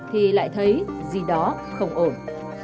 thì lại thấy gì đó không ổn